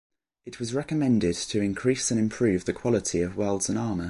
It was recommended to increase and improve the quality of welds and armour.